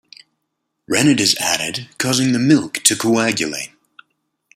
Rennet is added, causing the milk to coagulate.